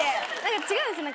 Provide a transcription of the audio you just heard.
違うんです